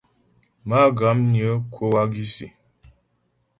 Má'a Guamnyə kwə wágisî.